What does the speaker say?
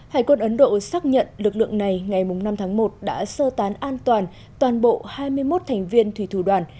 hải quân ấn độ xác nhận lực lượng này ngày năm tháng một đã sơ tán an toàn toàn bộ hai mươi một thành viên thủy thủ đoàn